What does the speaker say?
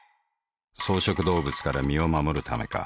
草食動物から身を護るためか。